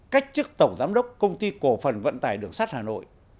cách chức tổng giám đốc công ty cổ phần vận tải đường sắt hà nội